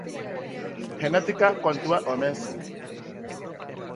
Genetika kontua omen zen.